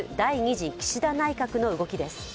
次岸田内閣の動きです。